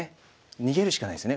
逃げるしかないですね。